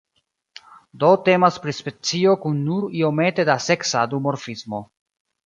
Do temas pri specio kun nur iomete da seksa duformismo.